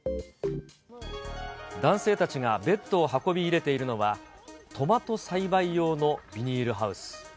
男性たちがベッドを運び入れているのは、トマト栽培用のビニールハウス。